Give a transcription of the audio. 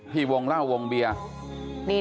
วงเล่าวงเบียร์